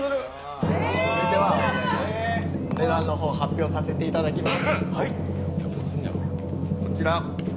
では値段の方、発表させていただきます。